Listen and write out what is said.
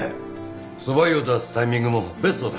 そば湯を出すタイミングもベストだ。